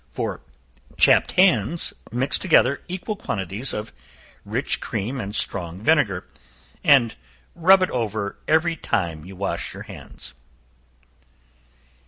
For chapped hands, mix together equal quantities of rich cream and strong vinegar, and rub it over every time you wash your hands.